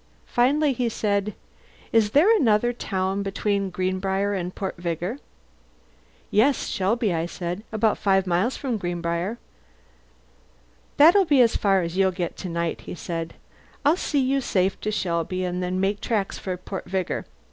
Finally he said, "Is there another town between Greenbriar and Port Vigor?" "Yes, Shelby," I said. "About five miles from Greenbriar." "That'll be as far as you'll get to night," he said. "I'll see you safe to Shelby, and then make tracks for Port Vigor.